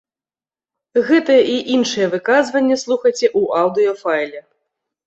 Гэтыя і іншыя выказванні слухайце ў аўдыёфайле.